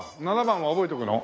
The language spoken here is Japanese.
７番は覚えておくの？